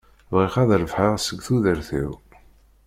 Bɣiɣ ad rebḥeɣ seg tudert-iw.